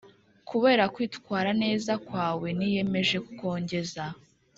kubera kwitwara neza kwawe niyemeje kukongeza